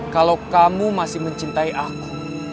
kalau kamu masih mencintai aku